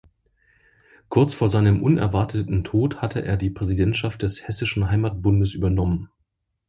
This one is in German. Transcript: Kurz vor seinem unerwarteten Tod hatte er die Präsidentschaft des Hessischen Heimatbundes übernommen.